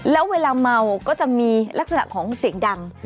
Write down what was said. แล้วเวลาเมาก็จะมีลักษณะของเสียงดัง